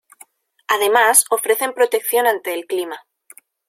Además ofrecen protección ante el clima.